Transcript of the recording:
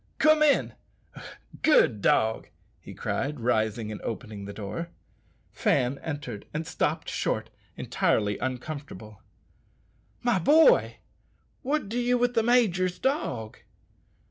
Come in, good dog," he cried, rising and opening the door. Fan entered and stopped short, evidently uncomfortable. "My boy, what do ye with the major's dog?"